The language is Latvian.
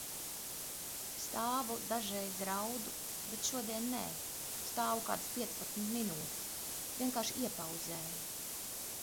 Stāvu, dažreiz raudu, bet šodien nē, stāvu kādas piecpadsmit minūtes – vienkārši iepauzēju.